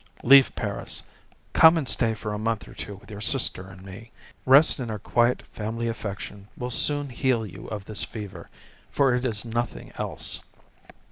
Leave Paris. Come and stay for a month or two with your sister and me. Rest in our quiet family affection will soon heal you of this fever, for it is nothing else.